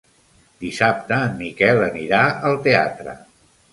Dissabte en Miquel anirà al teatre.